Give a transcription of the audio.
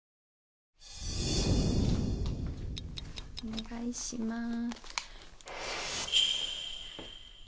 お願いします。